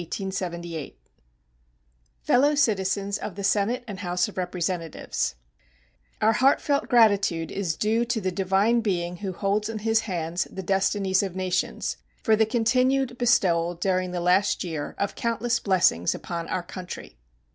Hayes December 2, 1878 Fellow Citizens of the Senate and House of Representatives: Our heartfelt gratitude is due to the Divine Being who holds in His hands the destinies of nations for the continued bestowal during the last year of countless blessings upon our country.